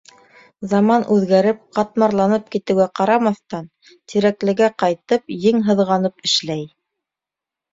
Заман үҙгәреп, ҡатмарланып китеүгә ҡарамаҫтан, Тирәклегә ҡайтып, ең һыҙғанып эшләй.